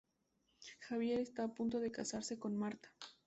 Javier está a punto de casarse con Marta.